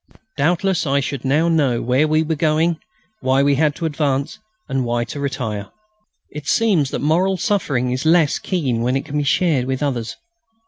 Doubtless I should now know where we were going; why we had to advance, and why to retire. It seems that moral suffering is less keen when it can be shared with others.